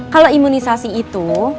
kalau imunisasi itu